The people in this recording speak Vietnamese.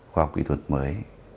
khoa học kỹ thuật mới